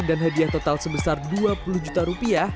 dan hadiah total sebesar dua puluh juta rupiah